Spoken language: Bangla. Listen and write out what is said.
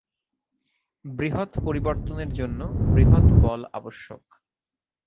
বৃহৎ পরিবর্তনের জন্য বৃহৎ বলের আবশ্যক।